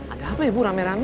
ada apa ya bu rame rame